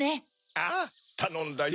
ああたのんだよ。